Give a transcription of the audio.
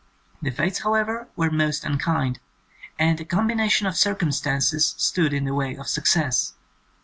The Fates, however, were most imkind, and a combination of circumstances stood in the way of success.